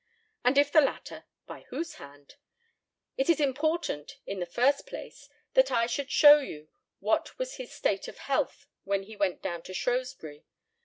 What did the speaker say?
and if the latter, by whose hand? It is important, in the first place, that I should show you what was his state of health when he went down to Shrewsbury.